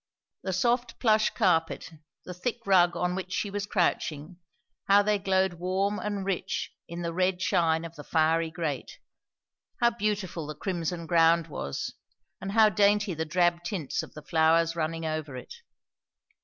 The soft plush carpet, the thick rug on which she was crouching; how they glowed warm and rich in the red shine of the fiery grate; how beautiful the crimson ground was, and how dainty the drab tints of the flowers running over it.